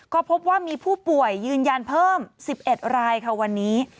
ก็พบว่ามีผู้ป่วยยืนยันเพิ่ม๑๑รายค่ะวันนี้